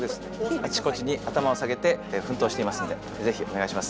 あちこちに頭を下げて奮闘していますのでぜひお願いします。